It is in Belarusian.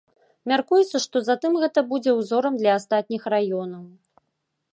Мяркуецца, што затым гэта будзе ўзорам для астатніх раёнаў.